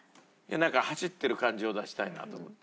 なんか走ってる感じを出したいなと思って。